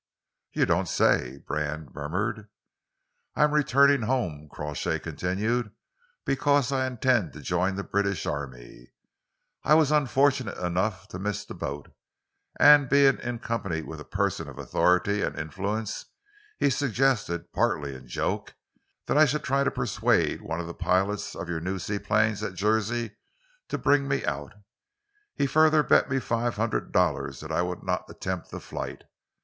"You don't say!" Brand murmured. "I am returning home," Crawshay continued, "because I intend to join the British Army, I was unfortunate enough to miss the boat, and being in company with a person of authority and influence, he suggested, partly in joke, that I should try to persuade one of the pilots of your new seaplanes at Jersey to bring me out. He further bet me five hundred dollars that I would not attempt the flight.